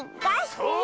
そう！